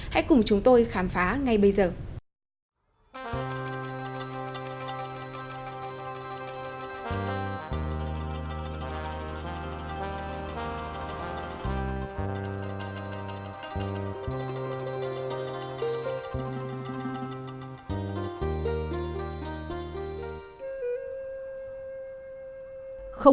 hãy cùng chúng tôi khám phá ngay bây giờ